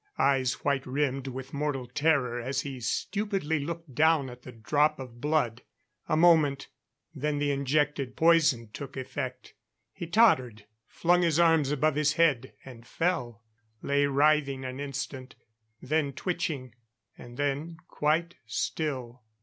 Eyes white rimmed with mortal terror as he stupidly looked down at the drop of blood. A moment, then the injected poison took effect. He tottered, flung his arms above his head and fell. Lay writhing an instant; then twitching; and then quite still.